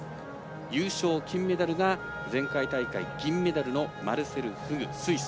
優勝金メダルが前回大会銀メダルのマルセル・フグ、スイス。